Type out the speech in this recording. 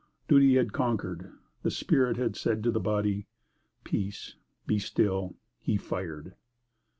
Duty had conquered; the spirit had said to the body: "Peace, be still." He fired.